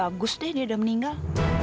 bagus deh dia udah meninggal